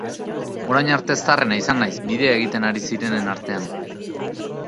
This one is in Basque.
Orain arte zaharrena izan naiz bidea egiten ari zirenen artean.